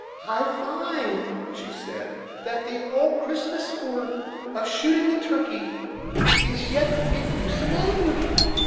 "I find," she said, "that the old Christmas sport of shooting the turkey is yet in use among you.